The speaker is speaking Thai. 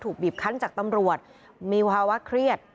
บีบคันจากตำรวจมีภาวะเครียด